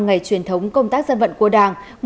ngày truyền thống công tác dân vận của đảng